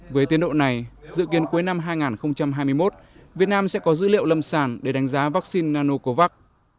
với tiến độ này dự kiến cuối năm hai nghìn hai mươi một việt nam sẽ có dữ liệu lâm sản để đánh giá vaccine nanocovax